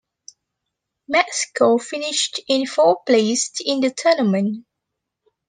Mexico finished in fourth place in the tournament.